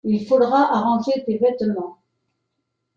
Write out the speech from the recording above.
Il faudra arranger tes vêtements.